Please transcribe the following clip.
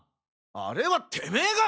あれはてめが！